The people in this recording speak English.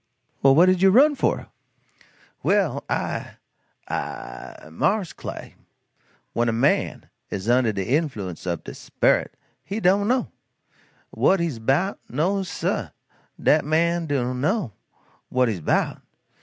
"Well what did you run for?" "Well, I I mars Clay, when a man is under de influence ob de sperit, he do no, what he's 'bout no sah; dat man do no what he's 'bout.